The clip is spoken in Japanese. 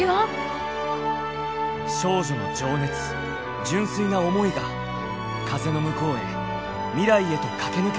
少女の情熱純粋な思いが風の向こうへ未来へと駆け抜けていく。